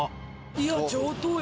いや、上等よ。